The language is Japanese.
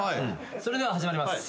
それでは始まります。